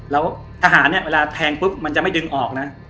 แล้วทหารเนี่ยเวลาแทงปุ๊บมันจะไม่ดึงออกนะ